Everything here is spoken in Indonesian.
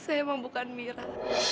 saya memang bukan mira